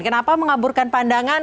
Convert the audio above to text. kenapa mengaburkan pandangan